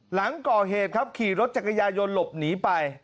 หลังก่อเหตุครับขี่รถจักรยายนหลบหนีไป